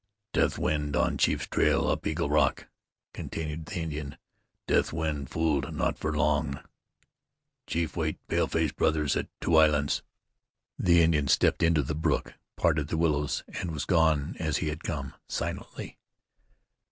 "Deathwind on Chief's trail up Eagle Rock," continued the Indian. "Deathwind fooled not for long. Chief wait paleface brothers at Two Islands." The Indian stepped into the brook, parted the willows, and was gone as he had come, silently.